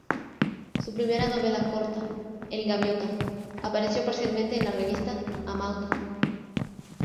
Su primera novela corta, "El Gaviota", apareció parcialmente en la revista "Amauta".